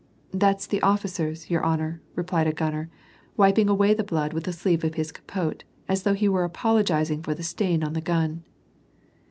*'That is the officer's, your honor," replied a gunner, wiping away the blood with the sleeve of his capote, as though he were apologizing for the stain on the gun.